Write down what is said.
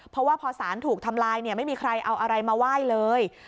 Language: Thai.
เพราะว่าพอสารถูกทำลายเนี่ยไม่มีใครเอาอะไรมาไหว้เลย